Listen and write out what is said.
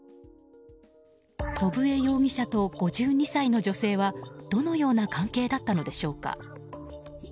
祖父江容疑者と５２歳の女性はどのような関係だったのでしょうか。